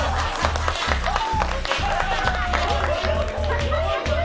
ああ！